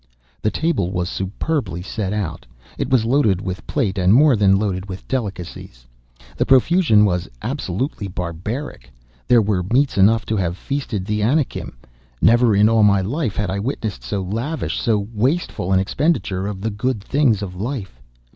The table was superbly set out. It was loaded with plate, and more than loaded with delicacies. The profusion was absolutely barbaric. There were meats enough to have feasted the Anakim. Never, in all my life, had I witnessed so lavish, so wasteful an expenditure of the good things of life.